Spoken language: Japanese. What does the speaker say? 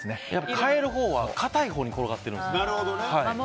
変えるほうは堅いほうに転がってるんです。